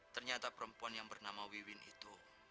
ternyata perempuan yang bernama wiwin itu